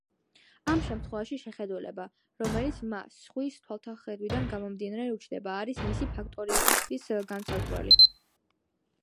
ამ შემთხვევაში შეხედულება, რომელიც მას სხვის თვალთახედვიდან გამომდინარე უჩნდება არის მისი ფაქტობრიობის განმსაზღვრელი.